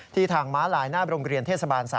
ที่ถางมลายณโรงเรียนเทศบาล๓